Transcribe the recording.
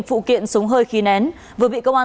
phụ kiện súng hơi khí nén vừa bị công an